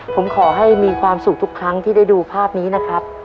ผมขอให้มีความสุขทุกครั้งที่ได้ดูภาพนี้นะครับ